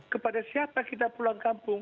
kepada siapa kita pulang kampung